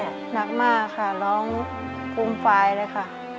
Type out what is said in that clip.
ร้องนักมากค่ะร้องโฟงฟ้ายเลยค่ะ